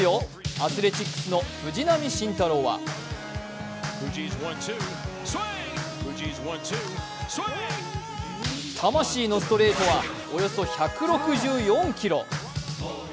アスレチックスの藤浪晋太郎は魂のストレートはおよそ１６４キロ。